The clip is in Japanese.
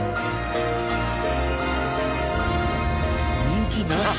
「人気なし」。